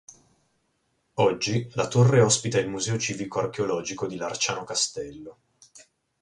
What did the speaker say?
Oggi, la torre ospita il Museo Civico Archeologico di Larciano Castello.